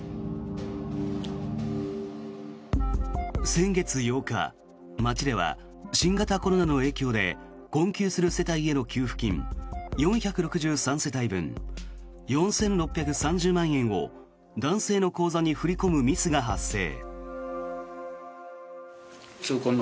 先月８日、町では新型コロナの影響で困窮する世帯への給付金４６３世帯分４６３０万円を男性の口座に振り込むミスが発生。